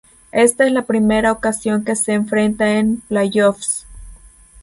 Ésta es la primera ocasión que se enfrentan en playoffs.